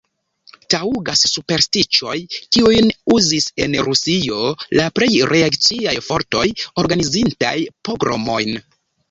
Taŭgas superstiĉoj, kiujn uzis en Rusio la plej reakciaj fortoj, organizintaj pogromojn.